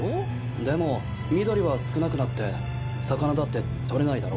でも緑は少なくなって魚だって取れないだろ？